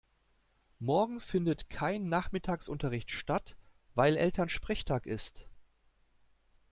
Morgen findet kein Nachmittagsunterricht statt, weil Elternsprechtag ist.